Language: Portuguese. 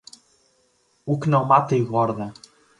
O que não mata engorda.